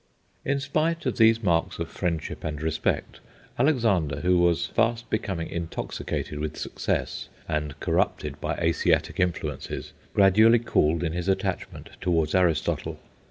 In spite of these marks of friendship and respect, Alexander, who was fast becoming intoxicated with success, and corrupted by Asiatic influences, gradually cooled in his attachment towards Aristotle.